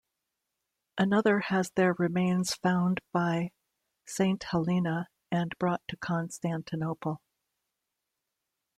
Another has their remains found by Saint Helena and brought to Constantinople.